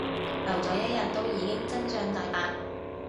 留咗一日都已經真相大白